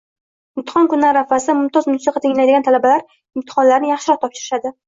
Imtihon kuni arafasida mumtoz musiqa tinglaydigan talabalar imtihonlarni yaxshiroq topshirishadi.